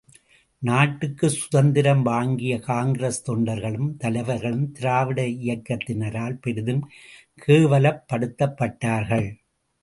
நாட்டுக்குச் சுதந்திரம் வாங்கிய காங்கிரஸ் தொண்டர்களும் தலைவர்களும் திராவிட இயக்கத்தினரால் பெரிதும் கேவலப்படுத்தப்பட்டார்கள்.